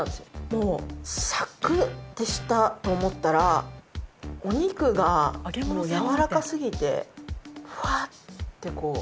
もうサクッてしたと思ったらお肉がやわらかすぎてフワッてこう。